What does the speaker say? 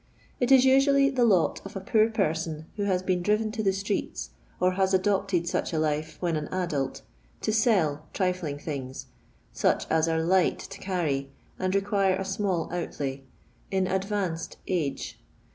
It is usually the lot of a poor person who has been driven to the streets, or has adopted such a life when an adult, to sell trifling things — such as are light to carry and require a small outlay — in advanced age.